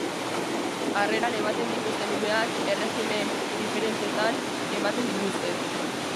Harreran ematen dituzten umeak, errejimen diferentetan ematen dituzte.